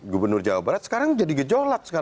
gubernur jawa barat sekarang jadi gejolak